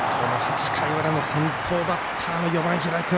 ８回の裏の先頭バッターの平井君。